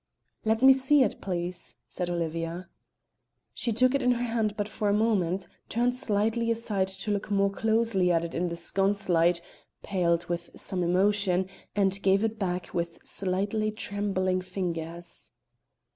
"Let me see it, please?" said Olivia. She took it in her hand but for a moment, turned slightly aside to look more closely at it in the sconce light, paled with some emotion, and gave it back with slightly trembling fingers.